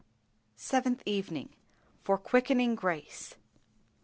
SEVENTH EVENING. FOR QUICKENING GRACE.